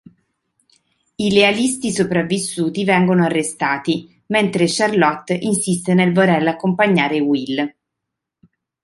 I lealisti sopravvissuti vengono arrestati, mentre Charlotte insiste nel voler accompagnare Will.